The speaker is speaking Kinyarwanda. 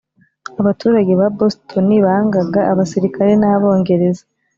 abaturage ba boston bangaga abasirikare b'abongereza.